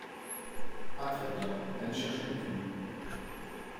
Ah ! très bien !… allez chercher des tulipes…